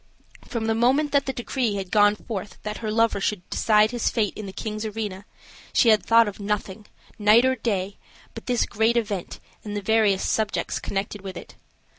From the moment that the decree had gone forth that her lover should decide his fate in the king's arena, she had thought of nothing, night or day, but this great event and the various subjects connected with it.